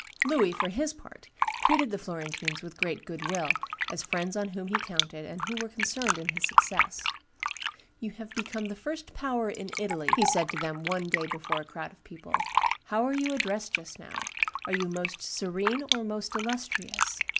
Louis, for his part, treated the Florentines with great good will, as friends on whom he counted and who were concerned in his success. "You have become the first power in Italy," he said to then one day before a crowd of people: "how are you addressed just now? Are you Most Serene or Most Illustrious?"